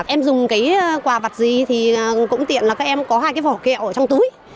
em dùng cái quà vặt gì thì cũng tiện là các em có hai cái vỏ kẹo ở trong túi